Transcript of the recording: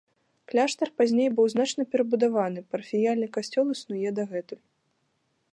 Кляштар пазней быў значна перабудаваны, парафіяльны касцёл існуе дагэтуль.